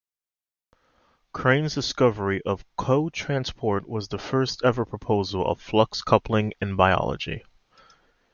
Crane's discovery of cotransport was the first ever proposal of flux coupling in biology.